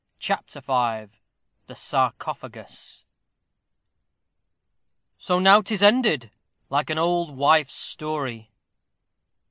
CHAPTER V THE SARCOPHAGUS So now 'tis ended, like an old wife's story.